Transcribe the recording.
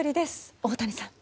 大谷さん。